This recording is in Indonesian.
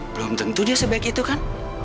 belum tentunya sebaik itu kan